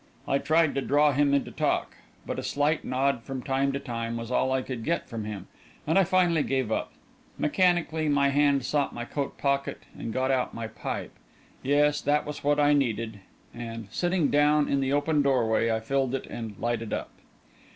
I tried to draw him into talk, but a slight nod from time to time was all I could get from him, and I finally gave it up. Mechanically, my hand sought my coat pocket and got out my pipe yes, that was what I needed; and, sitting down in the open doorway, I filled it and lighted up.